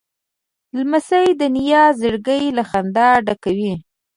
لمسی د نیا زړګی له خندا ډکوي.